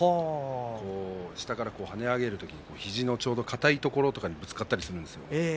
下から跳ね上げる時に肘のかたいところにぶつかったりするんですよ。